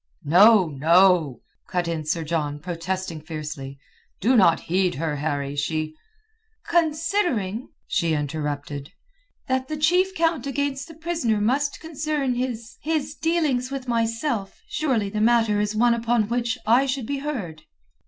"No, no," cut in Sir John, protesting fiercely. "Do not heed her, Harry. She...." "Considering," she interrupted, "that the chief count against the prisoner must concern his... his dealings with myself, surely the matter is one upon which I should be heard."